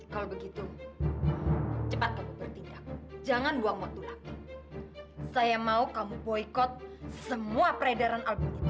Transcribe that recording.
kalau begitu cepat jangan buang buang saya mau kamu boykot semua peredaran